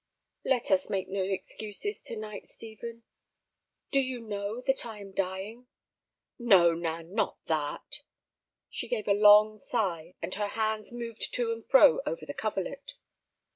"Let us make no excuses to night, Stephen. Do you know that I am dying?" "No, Nan—not that." She gave a long sigh, and her hands moved to and fro over the coverlet.